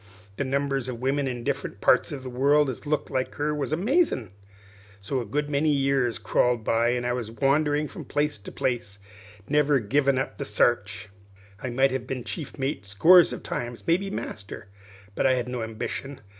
The numbers of women in different parts of the world as looked like her was amazin'. So a good many years crawled by, an' I wandered from place to place, never givin' up the sarch. I might have been chief mate scores of times, maybe master; but I hadn't no ambition.